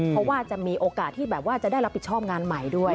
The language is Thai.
เพราะว่าจะมีโอกาสที่แบบว่าจะได้รับผิดชอบงานใหม่ด้วย